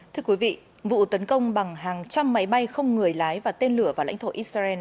thưa quý vị vụ tấn công bằng hàng trăm máy bay không người lái và tên lửa vào lãnh thổ israel